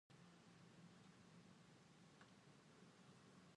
Dia takut adiknya akan gagal.